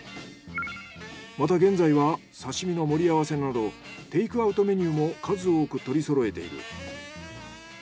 また現在は刺身の盛り合わせなどテイクアウトメニューも数多く取りそろえている。